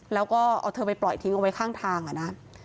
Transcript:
แล้วก็เอาเธอไปปล่อยทิ้งเอาไว้ข้างทางอ่ะนะ